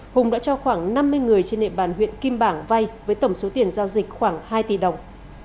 hùng đã cho khoảng năm mươi người trên địa bàn huyện kim bảng vay với tổng số tiền giao dịch khoảng hai tỷ đồng